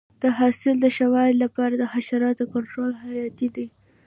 د حاصل د ښه والي لپاره د حشراتو کنټرول حیاتي دی.